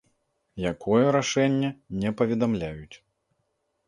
Якое рашэнне, не паведамляюць.